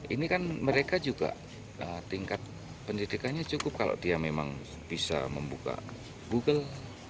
ini kan mereka juga tingkat pendidikannya cukup kalau dia memang bisa membuka google